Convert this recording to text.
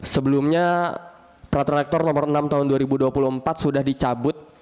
sebelumnya peraturan rektor nomor enam tahun dua ribu dua puluh empat sudah dicabut